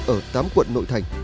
ở tám quận nội thành